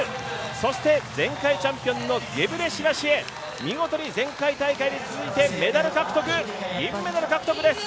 そして前回チャンピオンゲブレシラシエ、見事に前回大会に続いてメダル獲得、銀メダル獲得です。